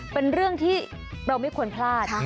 เป็นเรื่องที่เราไม่ควรพลาด